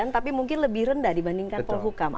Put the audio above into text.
tapi mungkin lebih rendah dibandingkan polhukam